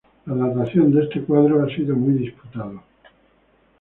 La datación de este cuadro ha sido muy disputada.